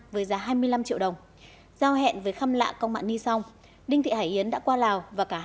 với giá hai mươi năm triệu đồng giao hẹn với khăm lạ công mã ni xong đinh thị hải yến đã qua lào và gọi điện cho